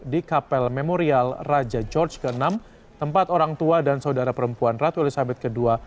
di kapel memorial raja george vi tempat orang tua dan saudara perempuan ratu elizabeth ii